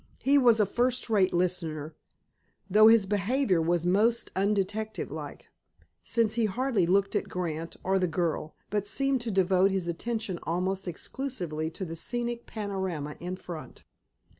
He was a first rate listener, though his behavior was most undetective like, since he hardly looked at Grant or the girl, but seemed to devote his attention almost exclusively to the scenic panorama in front.